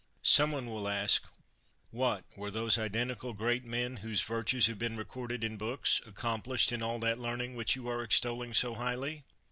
Some one will ask: What! were those identi cal great men, whose virtues have been recorded in books, accomplished in all that learning which you are extolling so highly?"